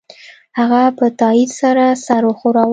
هغه په تایید سره سر وښوراوه